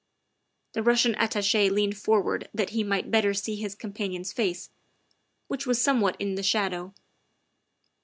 The Eussian Attache leaned forward that he might better see his companion's face, which was somewhat in the shadow.